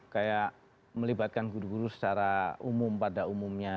kayak melibatkan guru guru secara umum pada umumnya